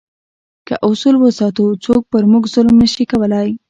که اصول وساتو، څوک پر موږ ظلم نه شي کولای.